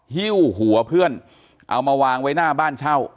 หิ้วหัวเพื่อนเอามาวางไว้หน้าบ้านเช่า